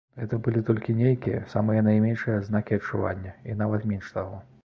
Гэта былі толькі нейкія, самыя найменшыя адзнакі адчування, і нават менш таго.